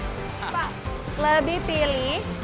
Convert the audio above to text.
pak lebih pilih